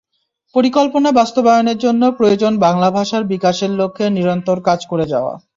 পরিকল্পনা বাস্তবায়নের জন্য প্রয়োজন বাংলা ভাষার বিকাশের লক্ষ্যে নিরন্তর কাজ করে যাওয়া।